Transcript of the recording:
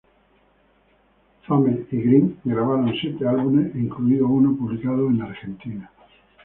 Fame y Greene grabaron siete álbumes, incluido uno publicado en Argentina.